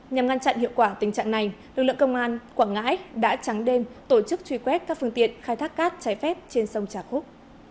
nhằm ngăn chặn hiệu quả tình trạng này lực lượng công an quảng ngãi đã trắng đêm tổ chức truy quét các phương tiện khai thác cát trái phép trên sông trà khúc